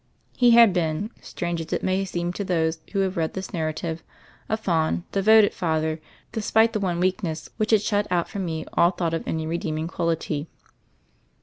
He had been, strange as it may seem to those who have read this narrative, a fond, devoted father, despite the one weakness which had shut out from me all thought of any redeeming quality.